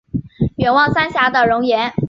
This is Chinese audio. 远望三峡的容颜